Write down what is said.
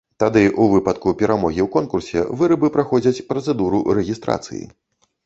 Тады ў выпадку перамогі ў конкурсе вырабы праходзяць працэдуру рэгістрацыі.